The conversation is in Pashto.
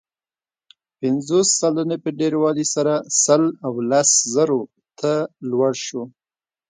پنځوس سلنې په ډېروالي سره سل او لس زرو ته لوړ شو.